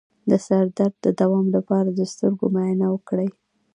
د سر درد د دوام لپاره د سترګو معاینه وکړئ